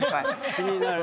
気になる。